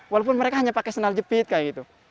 walaupun mereka hanya pakai senal jepit kayak gitu